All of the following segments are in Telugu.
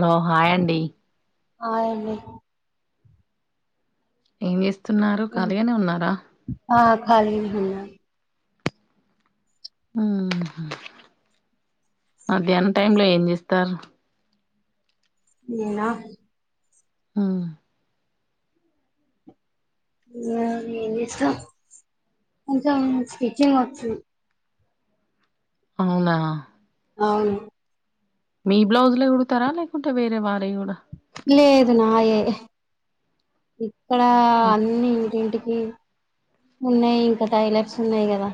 హలో హాయ్ అండి హాయ్ అండి ఏం చేస్తున్నారు ఖాళీగానే ఉన్నారా ఆ ఖాళీ నే ఉన్నాం అహ మధ్యాహ్నం టైం లో ఏం చేస్తారు నేనా ఉమ్ ఉన్నాం ఏం చేస్తాం కొంచెం స్టిచింగ్ వచ్చు అవునా అవును మీ బ్లౌజ్ లే కుడతారా లేకుంటే వేరే వాళ్ళ వి కూడా లేదు నాయే ఇక్కడ మ్మ్. అన్ని ఇంటింటికి ఉన్నాయి ఇంకా టైలర్స్ ఉన్నాయి కదా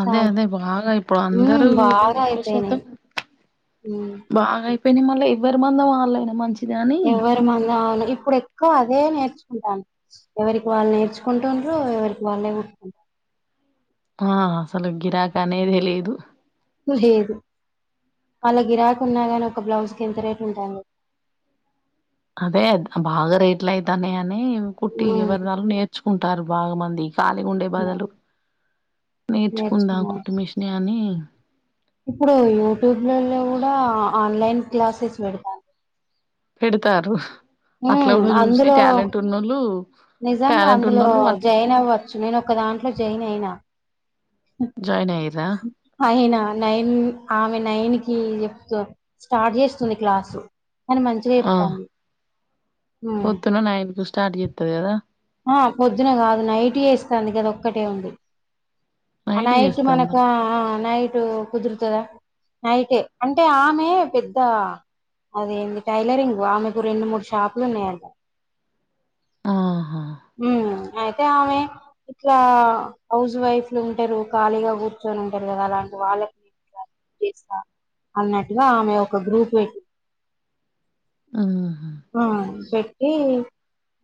అదే చాలా అదే బాగా ఇప్పుడు అందరూ ఉమ్ బాగా ఎక్కువ శాతం అయిపోయినాయి ఉమ్ బాగాయి పెని మళ్ళ ఎవ్వరి మధం వాళ్ళయినా మంచిది అని మల్ల ఇప్పుడు ఎక్కువ అదే నేర్చుకుంటాను ఎవరికి వాళ్ళు నేర్చుకుంటూరు ఎవరికి వాళ్ళే కుట్టుకుంటారు ఆ అసలు గిరాకనేది లేదు లేదు వాళ్ళ గిరాకి ఉన్నా గాని ఒక బ్లౌజ్ కి ఎంత రేటు ఉంటాంది అదే బాగా రేట్లు అయితానాయి అని కుట్టి ఉమ్ ఎవరిది వాళ్ళు నేర్చుకుంటారు బాగా మంది కాలీగా ఉండే బదులు నేర్చుకుందాం నేర్చుకున్నా కుట్మిషని అని ఇప్పుడు యూట్యూబ్ లలో కూడా ఆన్లైన్ క్లాసెస్ పెడత పెడతారు అట్లా ఉమ్ కూడా చూసి అందులో టాలెంట్ ఉన్నోళ్ళు నిజంగా టాలెంట్ అందులో ఉన్నోళ్ళు అట్ జయిన్ అవ్వచ్చు నేను ఒక దాంట్లో జాయిన్ అయినా జాయిన్ అయిరా అయినా నైన్ ఆమె నైన్ కి చెప్ స్టార్ట్ చేస్తుంది క్లాసు కాని మంచిగా ఆ చెప్తాంది ఉమ్ పొద్దున నైన్ కు స్టార్ట్ చెతది కదా ఆ పొద్దున కాదు నైట్ చేస్తంది గది ఒక్కటే ఉంది నైట్ మనకు ఆ నైట్ కుదురుతదా నైటే అంటే ఆమె పెద్ద అదేంది టైలరింగ్ ఆమెకు రెండు మూడు షాపులు ఉన్నాయట ఆహా అయితే ఆమె ఇట్ల హౌస్ వైఫ్ ఉంటారు ఖాళీగా కూర్చొని ఉంటారు కదా అలాంటి వాళ్ళకి నేను ఇట్లా అన్నట్టుగా ఆమె ఒక గ్రూప్ పెట్టి ఆ ఆ పెట్టి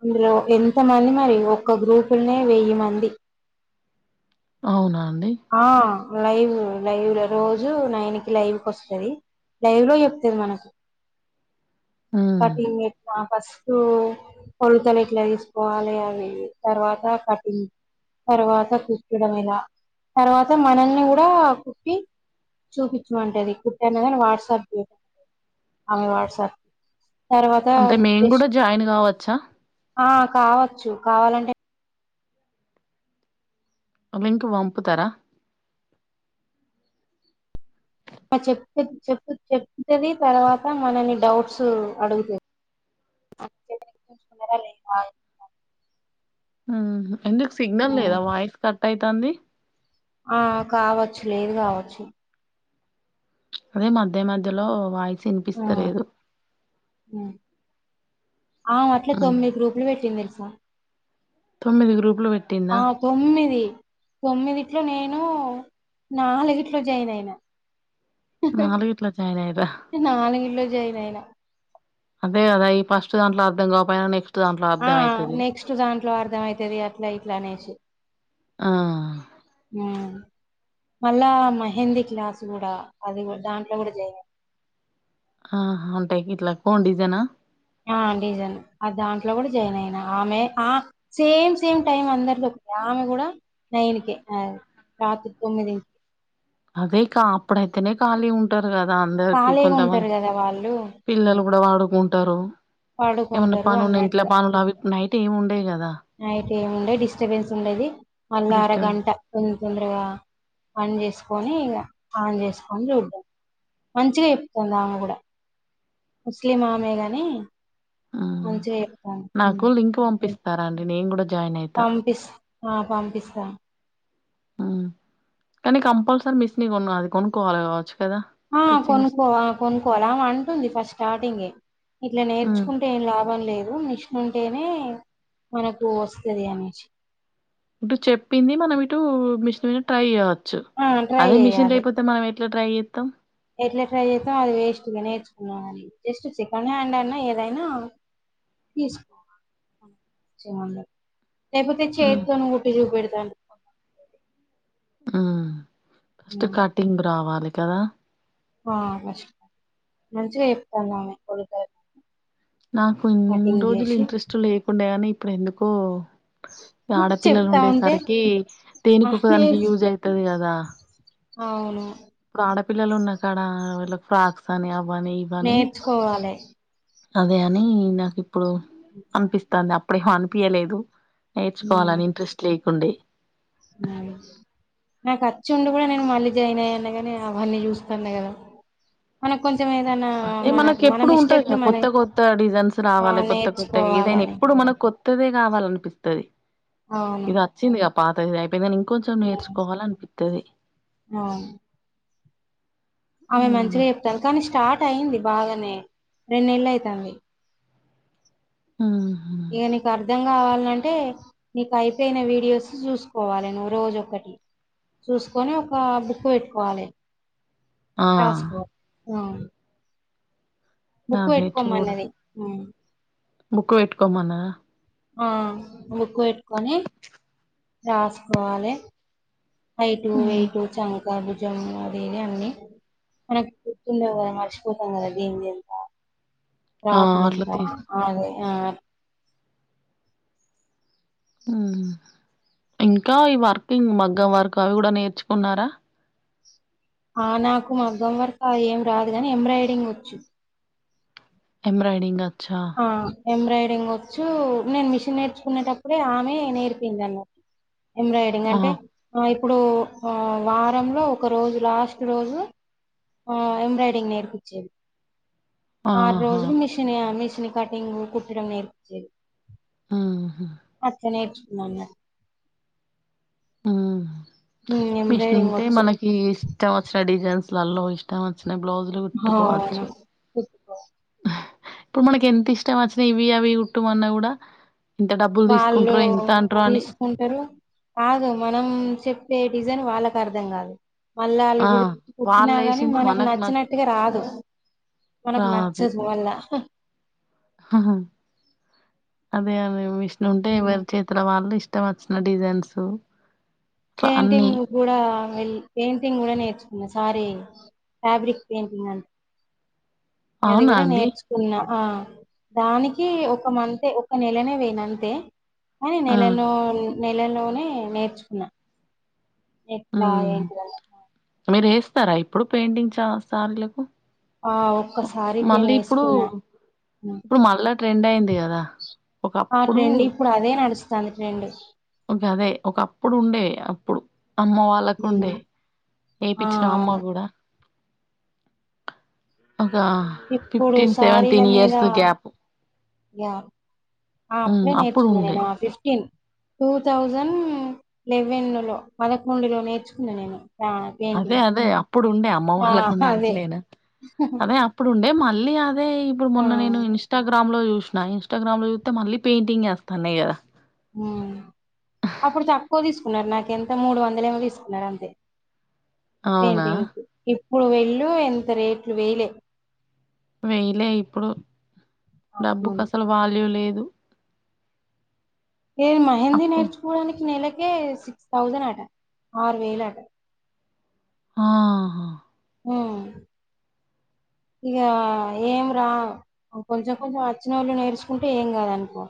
అందులో ఎంత కొంతమంది మరి ఒక్క గ్రూపులునే వెయ్యి మంది అవునా అండి ఆ లైవ్ లైవ్ ల రోజు నైన్కి లైవ్ కస్తది లైవ్ లో చెప్తది మనకు ఉమ్ కటింగ్ ఎట్ల ఫస్ట్ కొలతలు ఎట్ల తీస్ కోవాలి అవి తర్వాత కటింగ్ తర్వాత కుట్టడం ఎలా తర్వాత మనల్ని కూడా కుట్టి చూపించుమంటది కుట్టంగానే వాట్సాప్ చేయ ఆమె వాట్సాప్ తర్వాత అంటే మేము కూడా టెస్ట్ జాయిన్ కావచ్చా ఆ కావచ్చు కావాలంటే ఆ లింక్ పంపుతారా చెప్తది చెప్ చెప్తది తర్వాత మనల్ని డౌట్స్ అడుగుతది ఎక్కువ ఉంచుకున్నర లేదా అని ఉమ్ హు ఎందుకు సిగ్నల్ లేదా వాయిస్ కట్ అయితాంది ఆ కావచ్చు లేదు కావచ్చు అదే మధ్య మధ్యలో వాయిస్ ఇనిపిస్తలేదు ఆ ఆమె అట్ల ఉమ్ తొమ్మిది గ్రూపులు పెట్టింది తెలుసా తొమ్మిది గ్రూపులు పెట్ ఆ తొమ్మిది తొమ్మిదిట్లో నేను నాలుగిట్లో జాయిన్ అయినా నాలుగిట్ల జాయిన్ అయ్యిర్రా నాలు గిట్లో జయిన్ అయిన అదే కదా ఈ ఫస్ట్ దాంట్లో అర్థ కాకపోయినా నెక్స్ట్ దాంట్లో ఆ అర్థం అయితది నెక్స్ట్ దాంట్లో అర్థం అయితది అట్లా ఇట్లా అనేసి ఆ ఉమ్ మళ్ళా మెహెందీ క్లాస్ కూడా అది కూడా దాంట్లో కూడా జయిన్ ఆ ఉంటాయి ఇట్లా కోన్ డిజైనా ఆ డిజన్ దాంట్లో కూడా జాయిన్ అయిన ఆమె ఆ సేమ్ సేమ్ టైమ్ అందరిలో ఒక ఆమె కూడా నైన్కే రాత్రి తొమ్మిది అదే కా అప్పుడ అయితేనే ఖాళీ ఉంటారు కదా అందరికి ఖాళీగా ఉంటారు కొంతమంది కదా వాళ్ళు పిల్లలు ఉమ్, కూడా పడుకుంటారు ఏమన్నా పడుకుంటారు పనున్న ఇంట్లో అన్నట్టుగా పనులు అవి నైట్ ఏమి ఉండయి కదా నైట్ ఏమిండేదు డిస్టర్బెన్స్ ఉండది మళ్ళ డిస్టర్బెన్స్ అరగంట తోన్ తొందరగా పన్ చేసుకొని ఇగ ఆన్ చేసుకొని చూద్దాం మంచిగా చెప్తుంది ఆమె కూడా ముస్లిం ఆమెగాని ఆ, మంచిగా చెప్తాంది నాకు ఉమ్ లింక్ పంపిస్ స్తారా అండి నేను కూడా జాయిన్ అయితా పంపిస్ ఆ పంపిస్తా ఆ కానీ కంపల్సరీ మిస్ని కొన్న అది కొనుక్కోవాలి కావచ్చు కదా ఆ స్టిచ్చింగ్ మిస్ కొనుక్కో ఆ కొనుక్కోవాలి ఆమె అంటుంది ఫస్ట్ స్టార్టింగే ఇట్లా ఉమ్. నేర్చుకుంటే ఏం లాభం లేదు ఉంటేనే మనకు వస్తది అనేసి ఇటు చెప్పింది మనం ఇటు మిషన్ మీద ట్రై చేయవచ్చు ఆ ట్రై అదే మిషన్ చెయ్యాలి లేకపోతే మనం ఎట్లా ట్రై చెత్తం ఎట్లా ట్రై చేసిన అది వేస్ట్ గా నేర్చుకున్నా గానీ జస్ట్ సెకండ్ హ్యాండ్ అన్నా ఏదైనా పీస్ [unintelligible] లేకపోతే హ్మ్ చేతోనే కుట్టి చూపెడతాంటి ఆ ఫస్ట్ కటింగ్ రావాలి కదా ఆ ఫస్ట్ మంచిగా చెప్తాందామె కొడు [unintelligible] నాకు ఇన్ రోజులు చేసి ఇంట్రెస్ట్ లేకుండే కానీ ఇప్పుడు ఎందుకో ఆడపిల్లలు చెప్తా ఉంటే ఉండేసరికి ఆ దేనికో ఒకదానికి యూజ్ అయితది కదా ఆవును ఇప్పుడు ఆడపిల్లలు ఉన్నా కాడ వాళ్ళ ఫ్రాక్స్ అని అవని ఇవని నేర్చుకోవాలే అదే అని నాకు ఇప్పుడు అనిపిస్తాంది అప్పుడేమో అనిపియలేదు నేర్చుకోవాలని ఇంట్రెస్ట్ లేకుండే ఉం నాకు అచ్చి ఉండి కూడా నేను మళ్ళీ జాయిన్ అయ్యాను కానీ అవన్నీ చూస్తాన్నా కదా మనకు కొంచెం ఏదైనా అదే మనకు మనకి మన ఎప్పుడు ఉంటాంది మిస్టేక్లు మన కొత్త కొత్త డిజైన్స్ ఆ రావాలి కొత్త కొత్త ఏదైనా నేర్చుకోవాలని ఇప్పుడు మనకు కొత్తదే కావాలనిపిస్తుంది అవును ఇది వచ్చిందిగా పాత అయిపోయిందని ఇం కొంచెం హ్మ్. నేర్చుకోవాలనిపితది అవును ఆమె మంచిగా చెప్తారు కానీ స్టార్ట్ అయింది బాగానే రెండు నెలలు అయితుంది ఉహు ఇగ ని ఆర్ అర్థం కావాలంటే నీకు అయిపోయిన వీడియోస్ చూసుకోవాలి నువ్వు రోజు ఒక్కటి చూసుకొని ఒక బుక్ పెట్టుకోవాలి ఆ రాసుకోవాలి ఉం బుక్ అదే చూడ పెట్టుకోమన్నది ఉం బుక్ పెట్టుకోమనదా ఆ బుక్కు పెట్టుకొని రాసుకోవాలే హైట్ హ్మ్. వెయిట్ చ గా బుజము అది ఇది అన్నీ మనకి గుర్తుండవు గదా మర్చిపోతాం గదా దీనిదేంత ఆ అట్లా రాకుడెంత తీస్ ఆ అదే ఆ ఊ ఇంకా ఈ వర్కింగ్ మగ్గం వర్కు అవి గూడ నేర్చుకున్నారా? ఆ నాకు మగ్గం వర్క్ ఏం రాదు గని ఎంబ్రాయిడింగ్ వోచ్చు. ఏబ్రాయింగ్ అచ్చ ఆ ఎంబ్రాయిడింగ్ వోచ్చు నేను మిషన్ నేర్చుకునేటప్పుడే ఆమె నేర్పింది అన్ ఎంబ్రాయిడింగ్ ఆ అంటే ఆ ఇప్పుడు ఆ వారంలో ఒక రోజు లాస్ట్ రోజు ఆ ఎంబ్రాయిడింగ్ నేర్పిచ్చేది. ఆరు ఆహా రోజులు మిషనీ మిషనీ కటింగ్ కుట్టడం నేర్పిచ్చేది. ఆ హా ఫస్టే నేర్చుకున్నఅన్నట్ ఊ అన్నట్టు మిషిన్ ఎంబ్రాయిడింగ్ ఉంటే వచ్చు మనకి ఇష్టం వోచ్చిన డిజైన్స్లలో ఇష్ ఇష్టమచ్చిన బ్లౌజులు గుట్టుకోవచ్చు. ఓ ఇప్పుడు మనకెంత ఇష్టం అచ్చినా ఇవి, అవి కుట్టుమన్నా గూడ ఇంత డబ్బులు తీసుకంట్రో ఇంత అంట్రో అని సరు కాదు మనం చెప్పే డిజైన్ వాళ్ళకు అర్థం గాదు. మళ్ళ ఆళ్ళు ఆ గు కుట్టినా గానీ మనకు నచ్చినట్టుగా రాదు మనకు నచ్చదు వాల్ల హా హ్ అదే అదే మిషిన్ ఉంటే హ్మ్. వర్ చేతుల వాళ్ళు ఇష్టం అచ్చిన డిజైన్స్ ఇట్లా అన్ని పెయింటింగ్ కూడా వెళ్ పెయింటింగ్ గూడ నేర్చుకున్న సారే ఫ్యాబ్రిక్ పెయింటింగ్ అన్ అది అవునా గూడ అండి నేర్చు ఉన్నా ఆ దానికి ఒక మంతే ఒక నెలనే పోయిన అంతే! కాని ఆ నెలలో నెలలోనే నేర్చుకున్నా. ఎట్లా మ్మ్ ఏంటిదనేది మీరు ఏస్తారా ఇప్పుడు పెయింటింగ్ చాల సారి లకు ఆ ఒక్క సారీకే మళ్ళీ ఇప్పుడు వేసుకున్నా హ్మ్. ఇప్పుడు మళ్ళా ట్రెండ్ అయింది గదా ఆ ట్రెండ్ ఇప్పుడు అదే నడుస్తంది ట్రెండ్ ఒక అదే ఒక అప్పుడు ఉండే అప్పుడు అమ్మ వాళ్ ళ్ళ కుండే హ్మ్. ఆ ఏపిచ్చినం అమ్మ అవును. గూడ ఒక ఇప్పుడు ఫిఫ్టీన్ సారీల సెవెంటీన్ మీద ఇయర్స్ కు గ్యాప్ యా ఆ మ్మ్ అప్పుడే అప్పుడు ఉండే నేర్చుకోనేనా ఫిఫ్టీన్ టూథౌజండ్ లెవెన్ లో పదకొండు లో నేర్చుకున్నా నేను ప్రాక్ అదే అదే అప్పుడు ఉండే అమ్మ వాళ్ళకు ఉండే అదే అంటలేనా అదే అమ్ ఇప్పుడుండే మళ్ళీ అదే ఇప్పుడు ఆ మొన్న నేను ఇన్ష్ ఇన్స్ట్రాగ్రామ్ లో జూశిన ఇన్స్టాగ్రామ్లో జూతే మళ్ళీ పెయింటింగే అత్తానయి గదా ఊ అప్పుడు తక్కువ తీసుకున్నారు నాకెంత మూడు వందలు ఏమో తీసుకున్నారు. అంతే! అవునా? పెయింటింగ్స్ ఇప్పుడు వెళ్ళు ఎంత రేట్లు వేయిలే వేయిలే ఇప్పుడు అవును డబ్బుకసలు వాల్యూ లేదు. ఏ మహేంది అప్పు నేర్చుకోవడానికి నెలకే సిక్స్ థౌజెన్ అట ఆరు వేల అట ఆ మ్ ఇగ ఏం రా కొంచెం కొంచెం వచ్చిన వాళ్ళు నేర్చుకుంటే ఏం కాదనుకో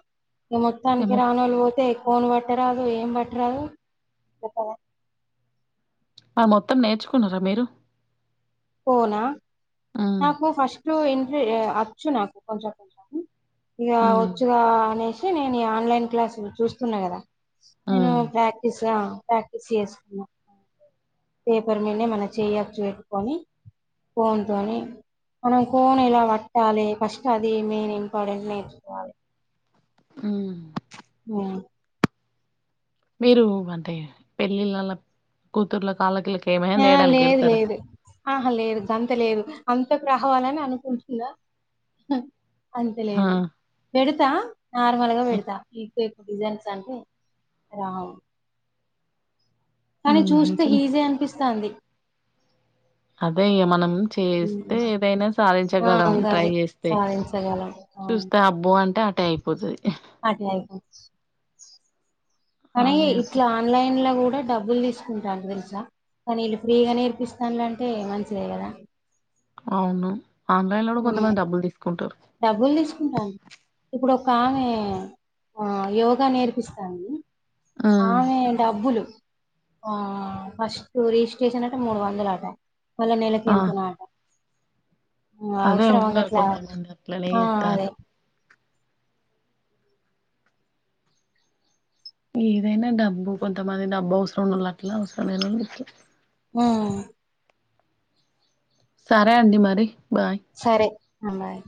ఇగ మొత్తానికి ఏమో రానోళ్ళు పోతే కోను పట్టరాదు ఏం పట్టరాదు మరి మొత్తం నేర్చుకున్నారా మీరు పోనా హ్మ్. నాకు ఫస్ట్ ఇంట వచ్చు నాకు కొంచెం కొంచెం ఇగ హ్మ్. వచ్చుగా అనేసి నేను ఈ ఆన్లైన్ క్లాసులు చూస్తున్నా కదా నేను హ్మ్. ప్రాక్టీస్ ఆ ప్రాక్టీస్ చేసుకున్నా పేపర్ మీదనే మన చేయ్యచ్చు పెట్టుకొని కోన్ తోని మనం కోన్ ఏలా పట్టాలే ఫస్ట్ అది మెయిన్ ఇంపార్టెంట్ నేర్చుకోవాలే మ్ మ్ మీరు అంటే పెళ్ళిళ్ళల కూతుర్ల అల్లకిళ్ళక్ ఆ లేదు లేదు ఆహ లేదు అంత లేదు అంత ప్రభావాలని అనుకుంటున్న ఆ! అంతలేదు పెడుతా నార్మల్ గా హ్మ్. పెడుతా ఎక్కువ ఎక్కువ డిజైన్స్ అంటే రావ్ కానీ హుహు. చూస్తే చిన్ ఈజీ అనిపిస్తంది అదే మనం చేస్తే ఏదైనా ఆ సాధించగలం ట్రై గది చేస్ స్తె సాధించగలం చూస్తే అబ్బో అంటే అటే అయిపోతది అటైత్ కాని అదే ఒక ఇట్లా ఆన్లైన్ ల కూడా డబ్బులు తీసుకుంటాళ్ళు తెలుసా కానీ వీళ్ళు ఫ్రీగా నేర్పిస్తాలంటే మంచిదే కదా అవును ఆన్లైన్ లో కూడా కొంతమంది డబ్బులు తీసుకుంటారు డబ్బులు తీసుకుంటాన్ ఇప్పుడు ఒక ఆమె ఆ యోగా నేర్పిస్తాంది ఆ ఆమె డబ్బులు ఆ ఫస్ట్ రిజిస్ట్రేషన్ అట మూడు వందలట మళ్ళ నెలకి ఆ! ఎంతనో ఆ, అదే అవసరమా ఉన్నరు గట్లా కొంతమంది అట్లనే ఆ చేత్తర్రు అదే ఏదైనా డబ్బు కొంతమంది డబ్బు అవసరం వాళ్ళు అట్లా అవసరం లేని వాళ్ళు ఇట్ల మ్ సరే అండి మరి బాయ్ సరే బాయ్